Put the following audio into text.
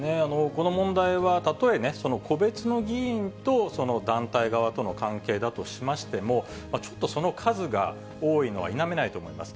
この問題は、たとえ個別の議員と団体側との関係だとしましても、ちょっとその数が多いのは否めないと思います。